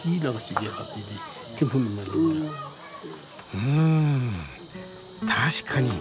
うん確かに。